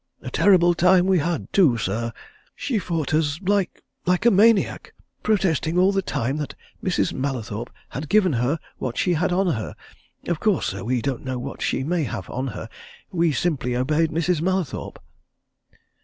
A terrible time we had, too, sir she fought us like like a maniac, protesting all the time that Mrs. Mallathorpe had given her what she had on her. Of course, sir, we don't know what she may have on her we simply obeyed Mrs. Mallathorpe."